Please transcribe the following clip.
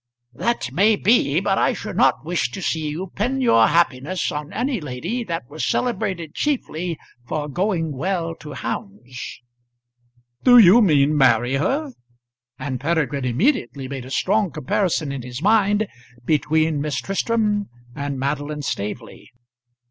"That may be, but I should not wish to see you pin your happiness on any lady that was celebrated chiefly for going well to hounds." "Do you mean marry her?" and Peregrine immediately made a strong comparison in his mind between Miss Tristram and Madeline Staveley.